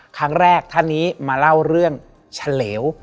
ครั้งแรกท่านนี้มาเล่าเรื่องเฉลว